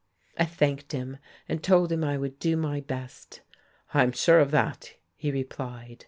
I thanked him, and told him I would do my best. "I'm sure of that," he replied.